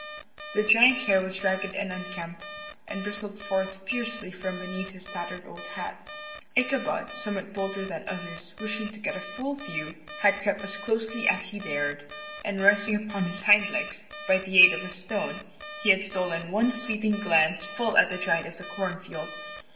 The giant's hair was ragged and unkempt, and bristled forth fiercely from beneath his tattered old hat. Ichabod, somewhat bolder than others, wishing to get a full view, had crept as closely as he dared, and rising upon his hind legs, by the aid of a stone, he had stolen one fleeting glance full at the giant of the corn field.